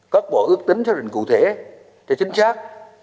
các bộ ước tính theo định cụ thể cho chính xác